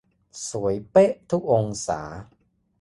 สวยเป๊ะทุกองศา